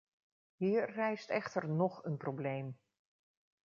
Hier rijst echter nog een probleem.